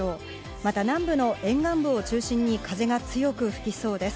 また南部の沿岸部を中心に風が強く吹きそうです。